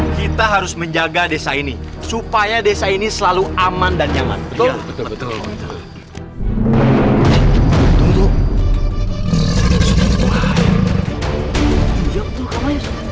kita harus menjaga desa ini supaya desa ini selalu aman dan jangan betul betul betul